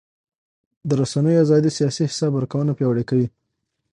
د رسنیو ازادي سیاسي حساب ورکونه پیاوړې کوي